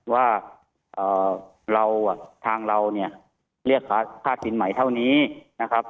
ว่าเราทางเราเนี่ยเรียกค่าสินใหม่เท่านี้นะครับ